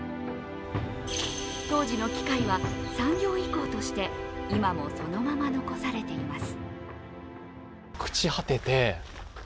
当時の機会は産業遺稿として今もそのまま残されています。